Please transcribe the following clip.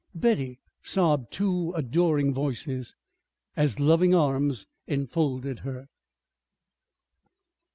"Betty!" sobbed two adoring voices, as loving arms enfolded her.